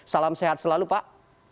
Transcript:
salam sehat selalu pak